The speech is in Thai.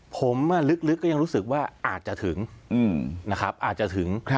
ผมลึกยังรู้สึกว่าอาจจะถึง